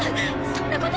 そんなこと。